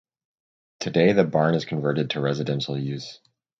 Today the barn is converted to residential use.